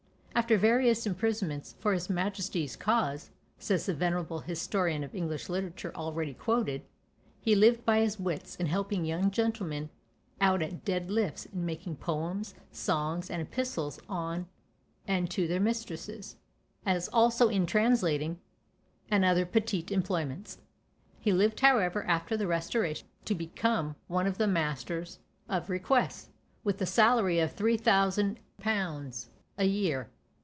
After various imprisonments for his majesty's cause, says the venerable historian of English literature already quoted, "he lived by his wits, in helping young gentlemen out at dead lifts in making poems, songs, and epistles on and to their mistresses; as also in translating, and other petite employments." He lived however after the Restoration to become one of the masters of requests, with a salary of 3000_l._ a year.